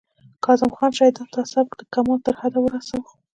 کاظم خان شیدا دا سبک د کمال تر حده ورساوه